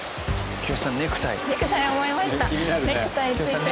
清さんネクタイ。